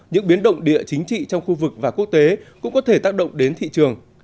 những biến động địa chính trị trong khu vực và quốc tế cũng có thể tác động đến thị trường